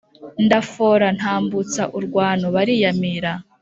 Ndafora ntambutsa urwano bariyamira,